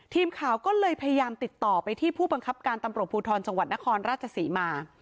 ทีมข่าวก็เลยพยายามติดต่อไปที่ผู้บังคับการตำรวจภูทรจังหวัดนครราชศรีมา